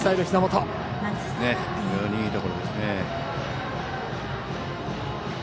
非常にいいところですね。